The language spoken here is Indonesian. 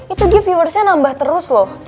itu dia viewersnya nambah terus loh